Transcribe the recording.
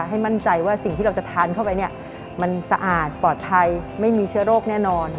ให้มั่นใจว่าสิ่งที่เราจะทานเข้าไปเนี่ยมันสะอาดปลอดภัยไม่มีเชื้อโรคแน่นอน